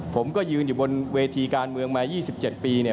ผมก็ยืนอยู่บนเวทีการเมืองมา๒๗ปีเนี่ย